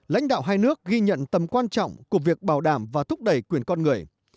lãnh đạo hai nước ghi nhận tầm quan trọng của việc bảo đảm và thúc đẩy quyền con người